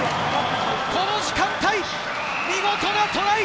この時間帯、見事なトライ！